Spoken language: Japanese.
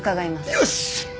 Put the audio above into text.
よし！